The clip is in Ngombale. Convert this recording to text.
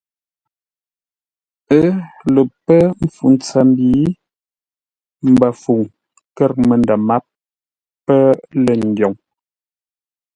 Ə́ lə pə́ mpfu ntsəmbi, Mbəfəuŋ kə̂r məndə̂ máp pə́ lə̂ ndyoŋ.